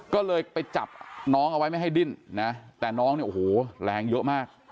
ก็เลยไปจับน้องเอาไว้ไม่ให้ดิ้นนะแต่น้องเนี่ยโอ้โหแรงเยอะมาก